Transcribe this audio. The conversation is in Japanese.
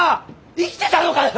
生きてたのかよ！